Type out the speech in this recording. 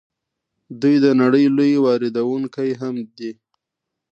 دوی د نړۍ لوی واردونکی هم دي.